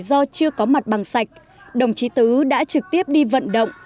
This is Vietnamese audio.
do chưa có mặt bằng sạch đồng chí tứ đã trực tiếp đi vận động